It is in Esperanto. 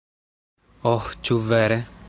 Oh ĉu vere?